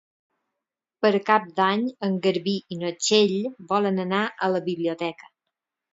Per Cap d'Any en Garbí i na Txell volen anar a la biblioteca.